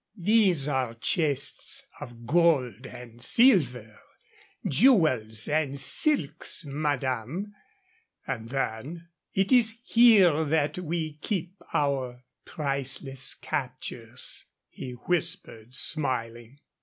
"These are chests of gold and silver, jewels and silks, madame"; and then, "It is here that we keep our priceless captures," he whispered, smiling.